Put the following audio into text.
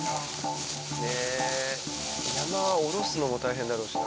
山下ろすのも大変だろうしな。